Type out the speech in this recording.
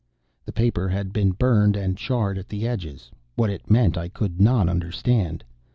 _" The paper had been burned and charred at the edges. What it meant I could not understand.